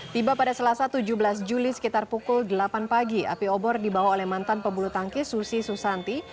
tiba pada selasa tujuh belas juli sekitar pukul delapan pagi api obor dibawa oleh mantan pebulu tangkis susi susanti